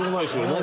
何？